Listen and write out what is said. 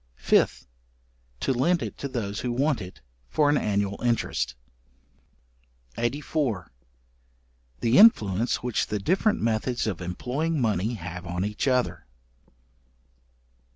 5th. To lend it to those who want it, for an annual interest. §84. The influence which the different methods of employing money have on each other.